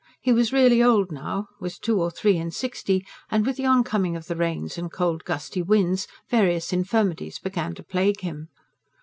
He was really old now, was two or three and sixty; and, with the oncoming of the rains and cold, gusty winds, various infirmities began to plague him.